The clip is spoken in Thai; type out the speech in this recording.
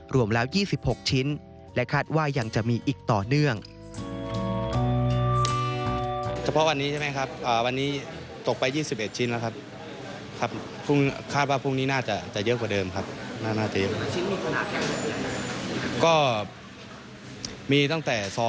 รวมแล้ว๒๖ชิ้นและคาดว่ายังจะมีอีกต่อเนื่อง